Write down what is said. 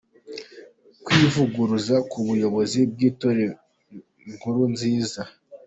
Kwivuguruza ku buyobozi bw’Itorero Inkuru Nziza.